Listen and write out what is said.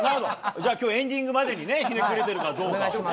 じゃあきょう、エンディングまでにひねくれてるかどうかね。